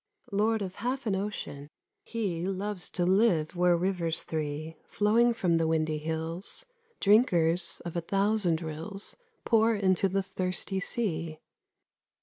Lord of half an ocean, he Loves to live where rivers three, Flowing from the windy hills, Drinkers of a thousand rills, Pour into the thirsty sea.